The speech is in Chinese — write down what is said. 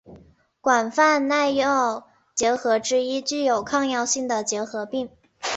广泛耐药结核之一具有抗药性的结核病。